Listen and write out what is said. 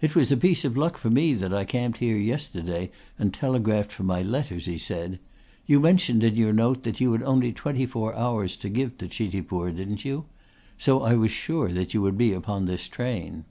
"It was a piece of luck for me that I camped here yesterday and telegraphed for my letters," he said. "You mentioned in your note that you had only twenty four hours to give to Chitipur, didn't you? So I was sure that you would be upon this train."